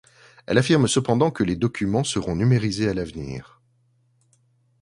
Elle affirme cependant que les documents seront numérisés à l'avenir.